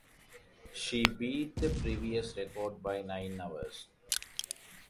She beat the previous record by nine hours.